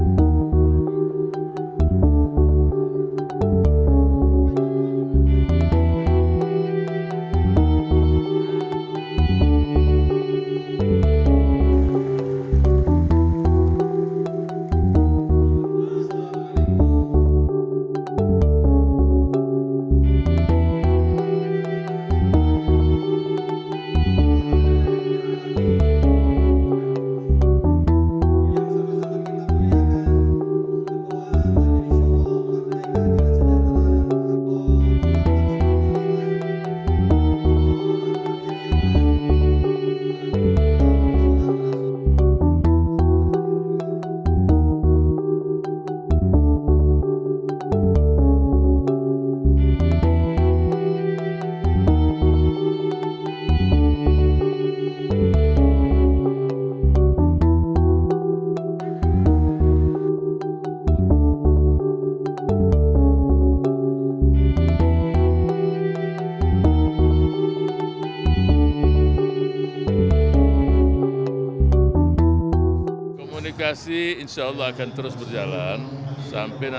jangan lupa like share dan subscribe channel ini untuk dapat info terbaru dari kami